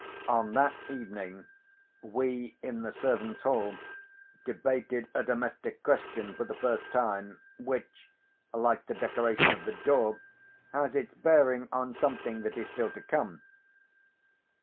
On that evening we, in the servants' hall, debated a domestic question for the first time, which, like the decoration of the door, has its bearing on something that is still to come.